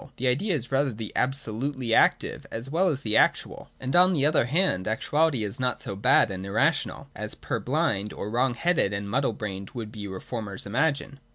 The Idea is rather the absolutely active as well as actual. And on the other hand actuality is not so bad and irrational, as purblind or wrong headed and muddle brained would be reformers imagine.